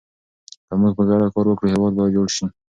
که موږ په ګډه کار وکړو، هېواد به جوړ شي.